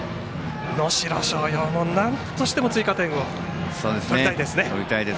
能代松陽もなんとしても追加点を取りたいですね。